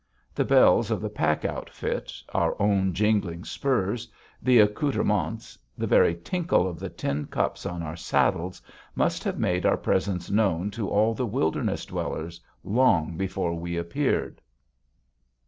The bells of the pack outfit, our own jingling spurs, the accouterments, the very tinkle of the tin cups on our saddles must have made our presence known to all the wilderness dwellers long before we appeared.